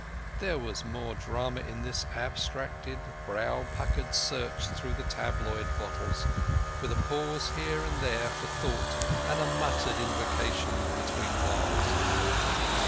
There was more drama in this abstracted, brow puckered search through the tabloid bottles, with a pause here and there for thought and a muttered invocation between whiles.